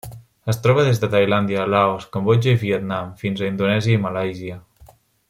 Es troba des de Tailàndia, Laos, Cambodja i Vietnam fins a Indonèsia i Malàisia.